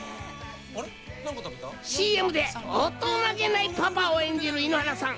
ＣＭで大人げないパパを演じる井ノ原さん。